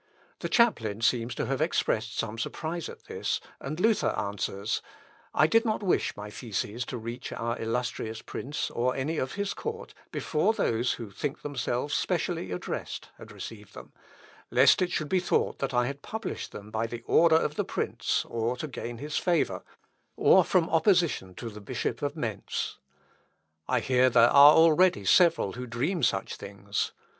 The chaplain seems to have expressed some surprise at this, and Luther answers: "I did not wish my theses to reach our illustrious prince or any of his court, before those who think themselves specially addressed had received them, lest it should be thought that I had published them by order of the prince or to gain his favour, or from opposition to the Bishop of Mentz. I hear there are already several who dream such things.